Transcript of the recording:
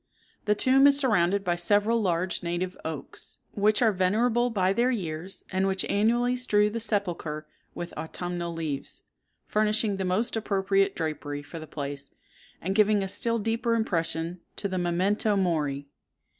The tomb is surrounded by several large native oaks, which are venerable by their years, and which annually strew the sepulchre with autumnal leaves, furnishing the most appropriate drapery for the place, and giving a still deeper impression to the memento mori.